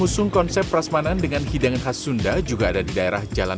yang kedua ya pada enak enak makanannya